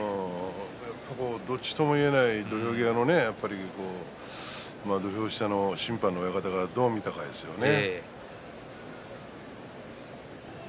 どっちとも言えない土俵際の土俵下の審判の親方がどう見たかですね。